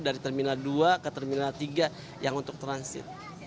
dari terminal dua ke terminal tiga yang untuk transit